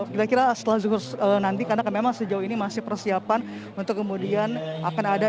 kira kira setelah zuhur nanti karena memang sejauh ini masih persiapan untuk kemudian akan ada